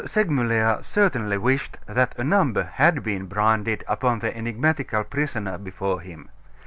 Segmuller certainly wished that a number had been branded upon the enigmatical prisoner before him.